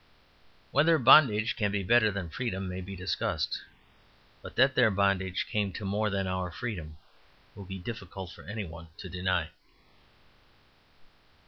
Whether bondage be better than freedom may be discussed. But that their bondage came to more than our freedom it will be difficult for any one to deny.